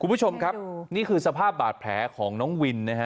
คุณผู้ชมครับนี่คือสภาพบาดแผลของน้องวินนะฮะ